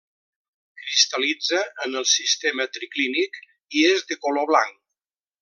Cristal·litza en el sistema triclínic i és de color blanc.